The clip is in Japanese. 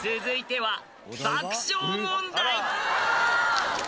［続いては］